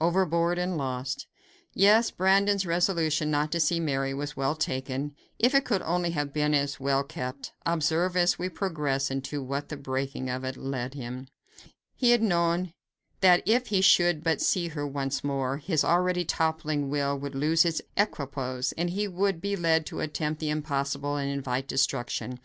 Overboard and lost! Yes, Brandon's resolution not to see Mary was well taken, if it could only have been as well kept. Observe, as we progress, into what the breaking of it led him. He had known that if he should but see her once more, his already toppling will would lose its equipoise, and he would be led to attempt the impossible and invite destruction.